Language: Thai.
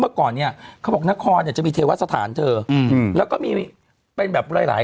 ก่อนเนี่ยเขาบอกนครเนี่ยจะมีเทวสถานเธออืมแล้วก็มีเป็นแบบหลายหลาย